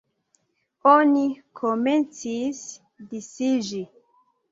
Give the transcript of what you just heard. Oni komencis disiĝi.